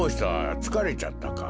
つかれちゃったか？